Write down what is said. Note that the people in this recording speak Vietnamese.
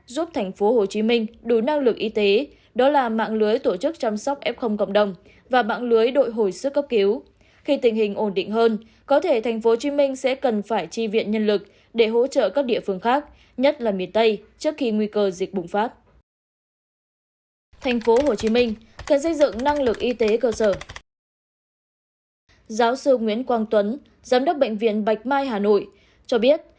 giáo sư nguyễn quang tuấn giám đốc bệnh viện bạch mai hà nội cho biết